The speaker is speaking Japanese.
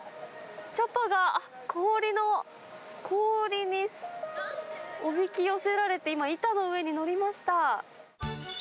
チャパが、氷の、氷におびき寄せられて、今、板の上に乗りました。